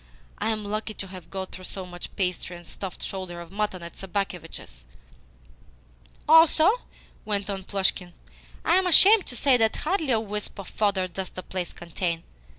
"I am lucky to have got through so much pastry and stuffed shoulder of mutton at Sobakevitch's!" "Also," went on Plushkin, "I am ashamed to say that hardly a wisp of fodder does the place contain.